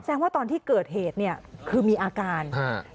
ว่าตอนที่เกิดเหตุเนี่ยคือมีอาการฮะ